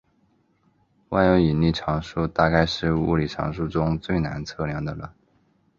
万有引力常数大概是物理常数中最难测量的了。